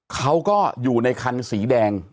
เขาก็อยู่ในคันสีแดง